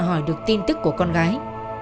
mà hỏi được tin tức của con gái